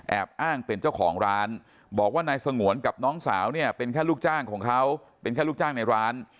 อ้างเป็นเจ้าของร้านบอกว่านายสงวนกับน้องสาวเนี่ยเป็นแค่ลูกจ้างของเขาเป็นแค่ลูกจ้างในร้าน